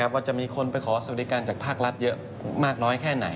ว่าจะมีคนไปขอสวัสดิการจากภาครัฐเยอะมากน้อยแค่ไหน